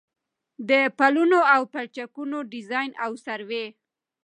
د پلونو او پلچکونو ډيزاين او سروې